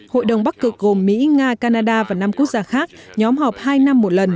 hội đồng bắc cực gồm mỹ nga canada và năm quốc gia khác nhóm họp hai năm một lần